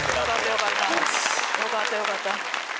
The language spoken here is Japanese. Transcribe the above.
よかったよかった。